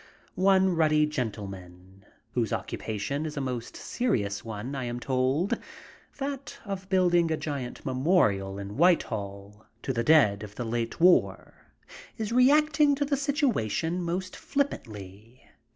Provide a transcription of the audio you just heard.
One ruddy gentleman whose occupation is a most serious one, I am told, that of building a giant memorial in White Hall to the dead of the late war, is reacting to the situation most flippantly.